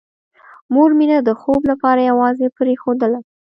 مور مينه د خوب لپاره یوازې پرېښودله